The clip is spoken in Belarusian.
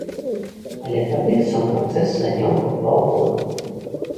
Але тады сам працэс заняў бы паўгода.